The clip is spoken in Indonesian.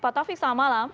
pak taufik selamat malam